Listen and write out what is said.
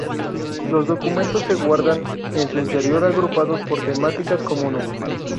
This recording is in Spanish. Los documentos se guardan en su interior agrupados por temáticas comunes.